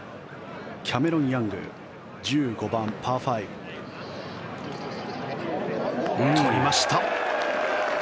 キャメロン・ヤング１５番、パー５。取りました。